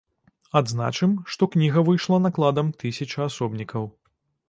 Адзначым, што кніга выйшла накладам тысяча асобнікаў.